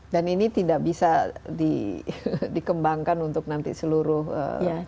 dan ini tidak bisa dikembangkan untuk nanti seluruh pasien